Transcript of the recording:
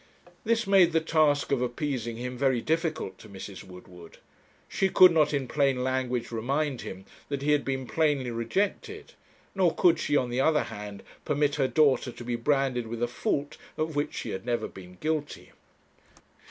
This made the task of appeasing him very difficult to Mrs. Woodward. She could not in plain language remind him that he had been plainly rejected; nor could she, on the other hand, permit her daughter to be branded with a fault of which she had never been guilty.